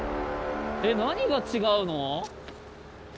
えっ何が違うの？